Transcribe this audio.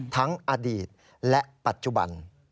ทั้งอดีตและปัจจุบัน